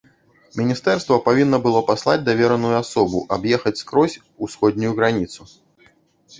Міністэрства павінна было паслаць давераную асобу аб'ехаць скрозь усходнюю граніцу.